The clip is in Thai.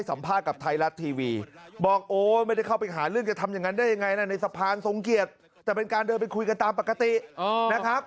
สัมภาษณ์กับไทยรัฐทีวีบอกโอ้ยไม่ได้เข้าไปหาเรื่องจะทำอย่างนั้นได้ยังไงนะในสะพานทรงเกียรติแต่เป็นการเดินไปคุยกันตามปกตินะครับ